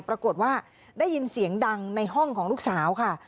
ปรากฏว่าได้ยินเสียงดังในห้องของลูกสาวค่ะ